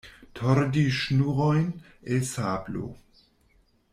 Tordi ŝnurojn el sablo.